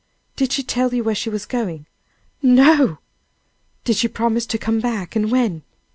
"Did she tell you where she was going?" "No!" "Did she promise to come back? and when?"